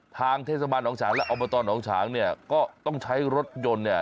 ทางเทศบาลหนองฉางและอบตหนองฉางเนี่ยก็ต้องใช้รถยนต์เนี่ย